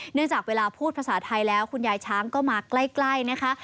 จากเวลาพูดภาษาไทยแล้วคุณยายช้างก็มาใกล้นะคะ